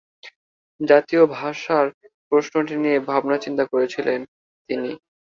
জাতীয় ভাষার প্রশ্নটি নিয়ে ভাবনা চিন্তা করেছিলেন তিনি।